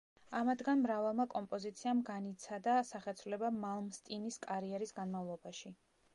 ამათგან მრავალმა კომპოზიციამ განიცადა სახეცვლილება მალმსტინის კარიერის განმავლობაში.